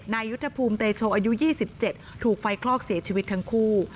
ยุทธภูมิเตโชอายุ๒๗ถูกไฟคลอกเสียชีวิตทั้งคู่